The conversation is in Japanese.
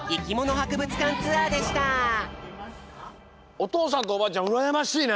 おとうさんとおばあちゃんうらやましいね。